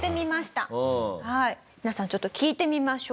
皆さんちょっと聞いてみましょう。